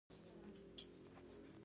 خوب د ښکلا احساس زیاتوي